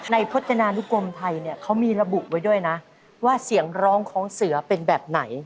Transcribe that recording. พัฒนานุกรมไทยเนี่ยเขามีระบุไว้ด้วยนะว่าเสียงร้องของเสือเป็นแบบไหน